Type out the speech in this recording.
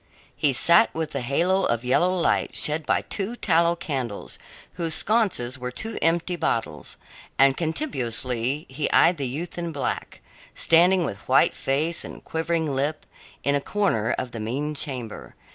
He sat within the halo of yellow light shed by two tallow candles, whose sconces were two empty bottles, and contemptuously he eyed the youth in black, standing with white face and quivering lip in a corner of the mean chamber.